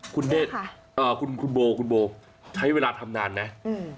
คุณเดชค่ะอ่ะคุณโบ้วใช้เวลาทำนานไหม